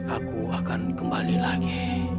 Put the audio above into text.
aku akan kembali lagi